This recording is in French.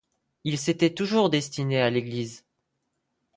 Il s’était toujours destiné à l’église.